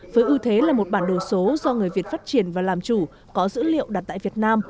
với ưu thế là một bản đồ số do người việt phát triển và làm chủ có dữ liệu đặt tại việt nam